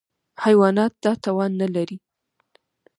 حیوانات دا توان نهلري.